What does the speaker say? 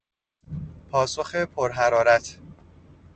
پاسخ پرحرارت